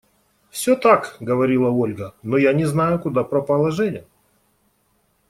– Все так, – говорила Ольга. – Но я не знаю, куда пропала Женя.